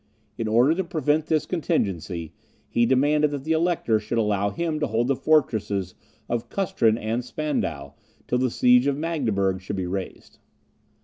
In order to prevent this contingency, he demanded that the Elector should allow him to hold the fortresses of Custrin and Spandau, till the siege of Magdeburg should be raised.